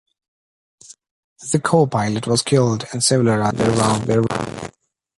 The co-pilot was killed and several others wounded.